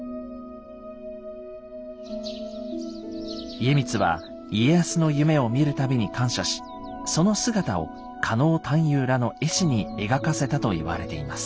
家光は家康の夢を見る度に感謝しその姿を狩野探幽らの絵師に描かせたと言われています。